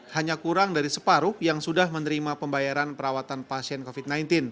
hanya kurang dari separuh yang sudah menerima pembayaran perawatan pasien covid sembilan belas